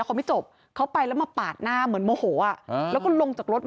ขอให้คันหลังเป็นคนจริง